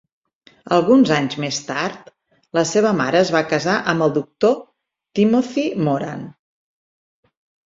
Alguns anys més tard, la seva mare es va casar amb el doctor Timothy Moran.